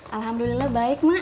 alhamdulillah baik mak